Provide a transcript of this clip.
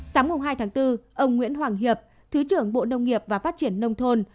sáng hai tháng bốn ông nguyễn hoàng hiệp thứ trưởng bộ nông nghiệp và phát triển nông thôn